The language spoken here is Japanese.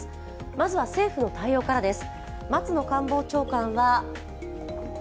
まずは政府の対応からです。